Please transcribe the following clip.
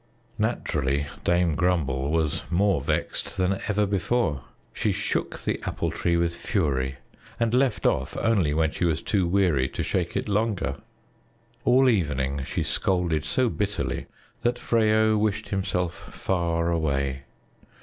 Naturally Dame Grumble was more vexed than ever before. She shook the Apple Tree with fury and left off only when she was too weary to shake it longer. All evening she scolded so bitterly that Freyo wished himself far away.